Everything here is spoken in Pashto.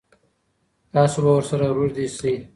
تاسو به ورسره روږدي سئ.